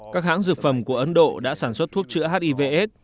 các hãng dược phẩm của ấn độ đã sản xuất thuốc chữa hiv aids